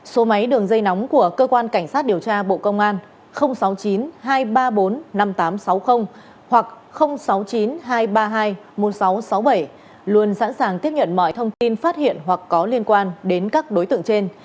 số máy đường dây nóng của cơ quan cảnh sát điều tra bộ công an sáu mươi chín hai trăm ba mươi bốn năm nghìn tám trăm sáu mươi hoặc sáu mươi chín hai trăm ba mươi hai một nghìn sáu trăm sáu mươi bảy luôn sẵn sàng tiếp nhận mọi thông tin phát hiện hoặc có liên quan đến các đối tượng trên